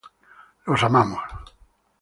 Los amamos.